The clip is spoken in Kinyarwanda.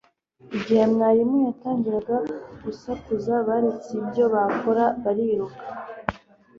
Igihe mwarimu yatangiraga gusakuza baretse ibyo bakora bariruka